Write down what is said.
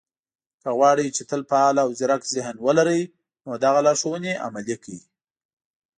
که غواړئ، چې تل فعال او ځيرک ذهن ولرئ، نو دغه لارښوونې عملي کړئ